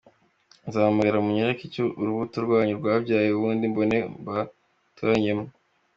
nzabahamagara munyereke icyo urubuto rwanyu rwabyaye ubundi mbone mbatoranyemo.